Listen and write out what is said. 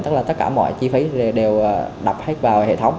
tức là tất cả mọi chi phí đều đập hết vào hệ thống